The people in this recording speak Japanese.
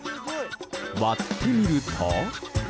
割ってみると。